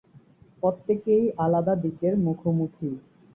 প্রত্যেকেই আলাদা দিকের মুখোমুখি।